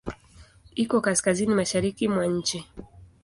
Iko kaskazini-mashariki mwa nchi.